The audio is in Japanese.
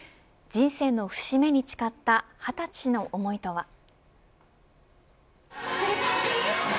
人生の節目に誓った２０歳の思いとは。